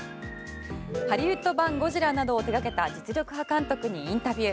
ハリウッド版「ゴジラ」などを手がけた実力派監督にインタビュー。